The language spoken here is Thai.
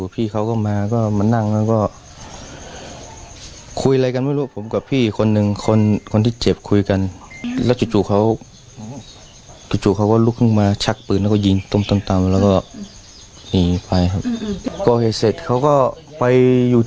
ผมได้ยินเสียงแก๊บประมาณนึงแล้วก็เขาก็วิ่งขึ้นไปบ้านแล้วก็เปิดประตู